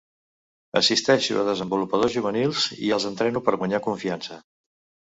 Assisteixo a desenvolupadors juvenils i els entreno per guanyar confiança.